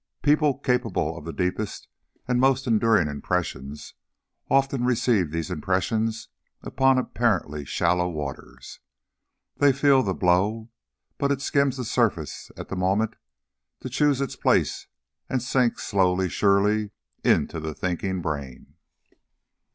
People capable of the deepest and most enduring impressions often receive these impressions upon apparently shallow waters. They feel the blow, but it skims the surface at the moment, to choose its place and sink slowly, surely, into the thinking brain.